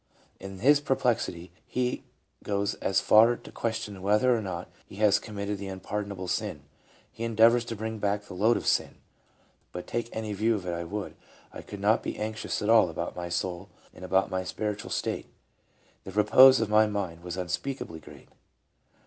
...'" In his perplexity he goes as far as to question whether or not he has committed the unpardonable sin, and he endeavors to bring back the load of sin. " But take any view of it I would, I could not be anxious at all about my soul and about my spiritual state. The repose of my mind was unspeakably great.